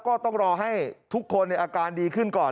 ก็ต้องรอให้ทุกคนในอาการดีขึ้นก่อน